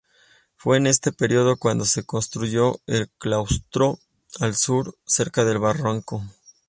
Fue en este período cuando se construyó el claustro, al sur, cerca del barranco.